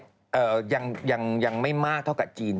ยังไม่มากเท่ากับจีน